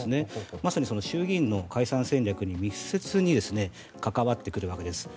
まさに衆議院の解散戦略に密接に関わってくるわけです。